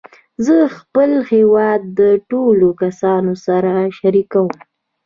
زه خپل هېواد د ټولو کسانو سره شریکوم.